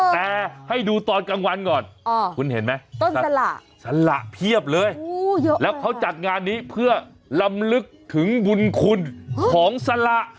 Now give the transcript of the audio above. แต่ให้ดูตอนกลางวันก่อนคุณเห็นไหมต้นสละสละเพียบเลยแล้วเขาจัดงานนี้เพื่อลำลึกถึงบุญคุณของสละ